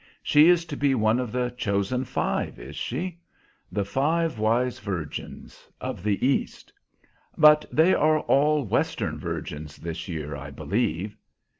"She is to be one of the chosen five, is she? The five wise virgins of the East? But they are all Western virgins this year, I believe."